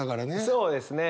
そうですね。